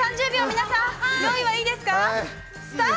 皆さん、用意はいいですかー。